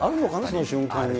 その瞬間に。